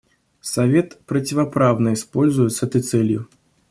Совет противоправно используют с этой целью.